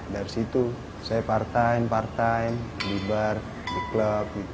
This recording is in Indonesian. dari situ saya part time part time di bar di klub gitu